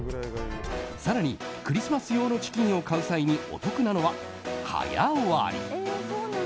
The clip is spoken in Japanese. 更にクリスマス用のチキンを買う際にお得なのは早割り。